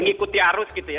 mengikuti arus gitu ya